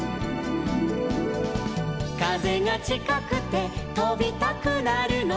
「風がちかくて飛びたくなるの」